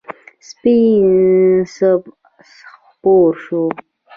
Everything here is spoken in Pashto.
سپین صبح خپور شو.